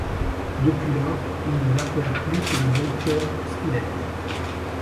Depuis lors, il ne l’appela plus que le docteur Spilett.